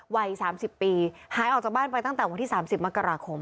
วัยสามสิบปีหายออกจากบ้านไปตั้งแต่วันที่สามสิบมกราคม